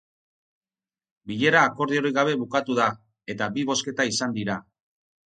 Bilera akordiorik gabe bukatu da, eta bi bozketa izan dira.